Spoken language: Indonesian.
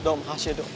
dok makasih ya dok